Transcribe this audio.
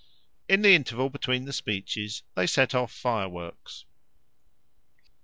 In the interval between the speeches they set off fireworks.